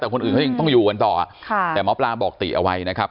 แต่คนอื่นเขายังต้องอยู่กันต่อค่ะแต่หมอปลาบอกติเอาไว้นะครับ